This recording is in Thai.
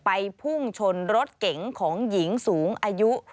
พุ่งชนรถเก๋งของหญิงสูงอายุ